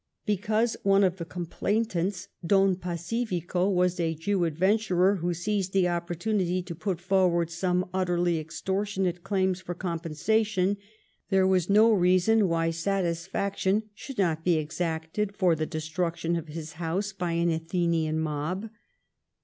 Because one of the com plainants, Don Pacifico, was a Jew adventurer who seized the opportunity to put forward some utterly extortionate claims for compensation, there was no reason why satis* faction should not be exacted for the destruction of his house by an Athenian mob.